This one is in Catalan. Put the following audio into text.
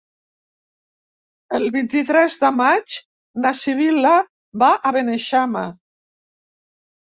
El vint-i-tres de maig na Sibil·la va a Beneixama.